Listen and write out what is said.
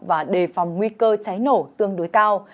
và đề phòng nguy cơ cháy nổ tương đối cao